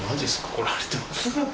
来られてます。